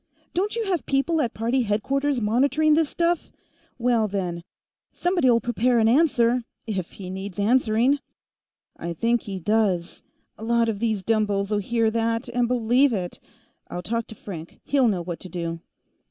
Don't you have people at party headquarters monitoring this stuff? Well, then. Somebody'll prepare an answer, if he needs answering." "I think he does. A lot of these dumbos'll hear that and believe it. I'll talk to Frank. He'll know what to do."